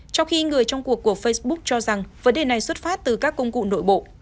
trong khi người trong cuộc của facebook cho rằng vấn đề này xuất phát từ các công cụ nội bộ